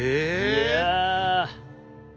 いや。